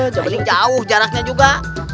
jangan jauh jaraknya juga